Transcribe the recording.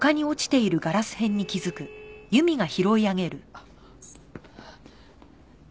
あっ。